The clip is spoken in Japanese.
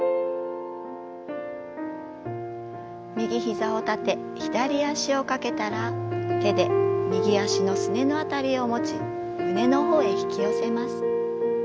右ひざを立て左脚をかけたら手で右脚のすねの辺りを持ち胸の方へ引き寄せます。